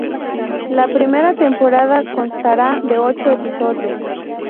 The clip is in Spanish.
La primera temporada constará de ocho episodios.